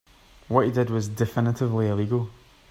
What he did was definitively illegal.